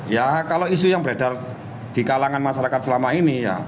ya kalau isu yang beredar di kalangan masyarakat selama ini ya